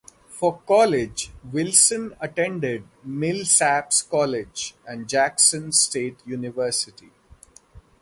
For college, Wilson attended Millsaps College and Jackson State University.